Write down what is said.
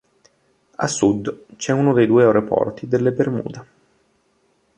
A sud c'è uno dei due aeroporti delle Bermuda.